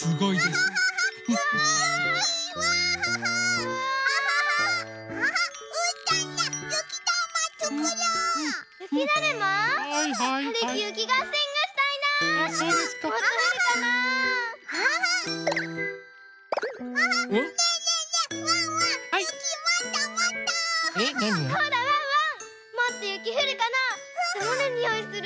どんなにおいする？